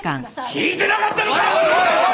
聞いてなかったのか！？